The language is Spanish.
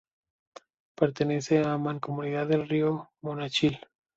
Pertenece a la Mancomunidad del río Monachil.